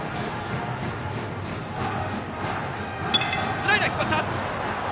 スライダーを引っ張った！